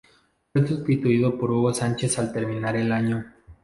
Fue sustituido por Hugo Sánchez al terminar el año.